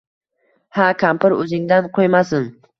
ha kampir o’zingdan qo’ymasin...